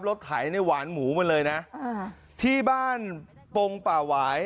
ไถเนี่ยหวานหมูมาเลยนะที่บ้านปงป่าหวาย